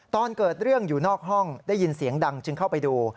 ตอนเกิดเรื่องอยู่นอกห้องได้ยินเสียงดังจึงเข้าไปดู